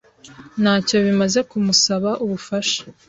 Ntacyo bimaze kumusaba ubufasha.